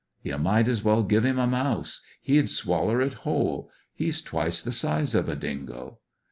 "You might as well give him a mouse. He'd swaller it whole. He's twice the size of a dingo."